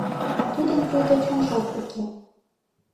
Тудын пуйто чонжат уке.